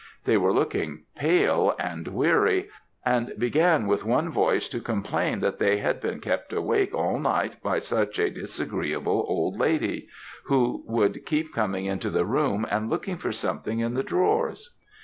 They were looking pale and weary, and began with one voice to complain that they had been kept awake all night by such a disagreeable old lady, who would keep coming into the room, and looking for something in the drawers.